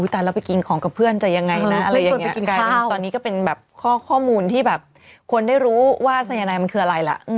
ตอนนี้ก็เป็นข้อมูลที่คนได้รู้ว่าไซยานายมันคืออะไรล่ะ